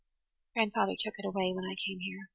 "Grandfather took it away when I came here.